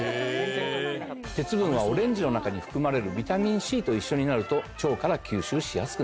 鉄分はオレンジの中に含まれるビタミンＣと一緒になると腸から吸収しやすくなります。